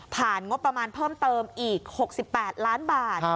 งบประมาณเพิ่มเติมอีก๖๘ล้านบาท